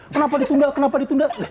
kenapa ditunda kenapa ditunda